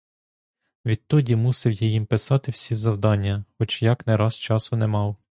Відтоді мусив я їм писати всі завдання, хоч як не раз часу не мав.